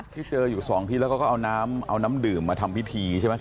ที่เจออยู่๒ที่แล้วก็เอาน้ำเอาน้ำดื่มมาทำพิธีใช่ไหม